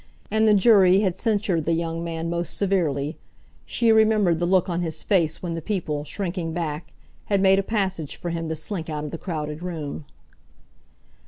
And the jury had censured the young man most severely; she remembered the look on his face when the people, shrinking back, had made a passage for him to slink out of the crowded room.